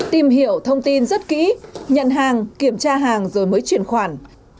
tìm hiểu thông tin rất kỹ nhận hàng kiểm tra hàng rồi mới chuyển khoản